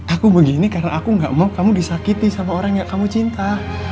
aku begini karena aku gak mau kamu disakiti sama orang yang kamu cinta